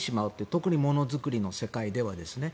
特にものづくりの世界ではですね。